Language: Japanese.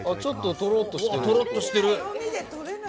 とろっとしてる。